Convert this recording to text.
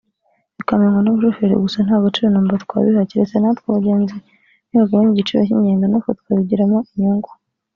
bikamenywa n’abashoferi gusa nta gaciro namba twabiha keretse natwe abagenzi nibagabanya igiciro cy’ingendo natwe tukabigiramo inyungu”